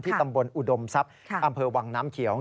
ตำบลอุดมทรัพย์อำเภอวังน้ำเขียว